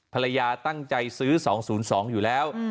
ภรรยาตั้งใจซื้อ๒๐๒อยู่แล้ว